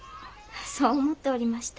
そう思っておりました。